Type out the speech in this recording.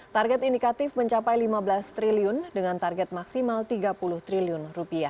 target indikatif mencapai rp lima belas triliun dengan target maksimal rp tiga puluh triliun